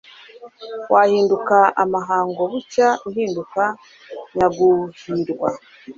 Wahinduka amahango Bucya uhinduka Nyaguhirwa.